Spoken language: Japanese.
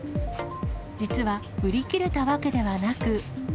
実は売り切れたわけではなく。